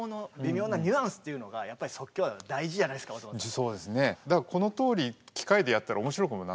そうですね。